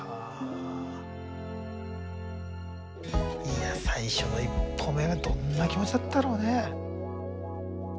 いや最初の一歩目はどんな気持ちだったろうね。